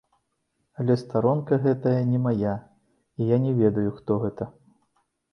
Але старонка гэтая не мая, і я не ведаю, хто гэта.